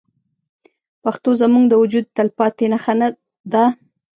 پښتو زموږ د وجود تلپاتې نښه ده.